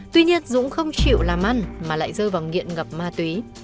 tuy nhiên dũng không chịu làm ăn mà lại rơi vào nghiện ngập ma túy